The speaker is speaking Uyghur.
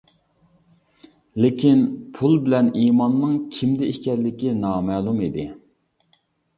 لېكىن، پۇل بىلەن ئىماننىڭ كىمدە ئىكەنلىكى نامەلۇم ئىدى.